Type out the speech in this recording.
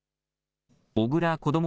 小倉こども